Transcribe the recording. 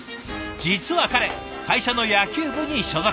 実は彼会社の野球部に所属。